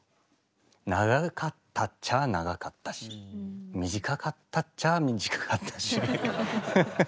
長かったっちゃあ長かったし短かったっちゃあ短かったし。